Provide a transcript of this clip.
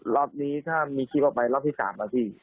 รอบนี้ถ้ามีคลิปออกไปรอบที่๓นะพี่